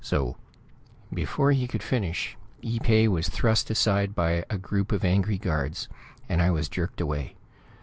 So " Before he could finish, Ee pay was thrust aside by a group of angry guards, and I was jerked away.